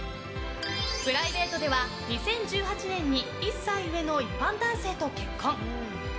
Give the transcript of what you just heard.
プライベートでは、２０１８年に１歳上の一般男性と結婚。